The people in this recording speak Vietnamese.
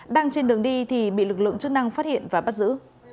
đang trên đường đi thì bị lực lượng chức năng phát hiện và bắt giữ